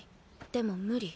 でも無理。